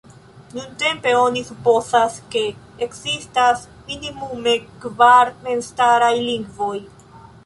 Nuntempe oni supozas, ke ekzistas minimume kvar memstaraj lingvoj.